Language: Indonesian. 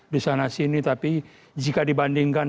disana sini tapi jika dibandingkan